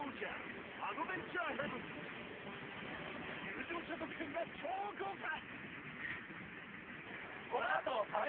入場者特典が超豪華！